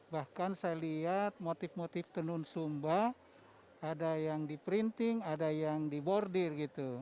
bahkan saya lihat motif motif tenun sumba ada yang di printing ada yang di bordir gitu